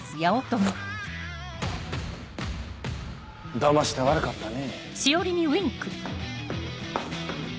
だまして悪かったね。